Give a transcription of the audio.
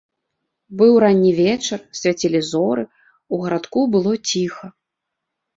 Быў ранні вечар, свяцілі зоры, у гарадку было ціха.